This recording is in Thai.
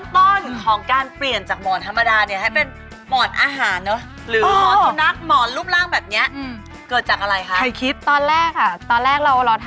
มีแค่นี้เองแต่ก่อน